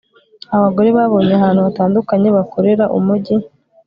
abagore babonye ahantu hatandukanye bakorera umujyi